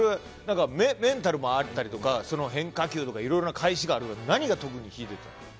メンタルもあったりとか変化球とかいろいろな返しがある中で何が特に秀でてたんですか？